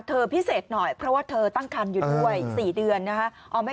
พิเศษหน่อยเพราะว่าเธอตั้งคันอยู่ด้วย๔เดือนนะคะ